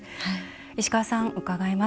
石川さん伺います。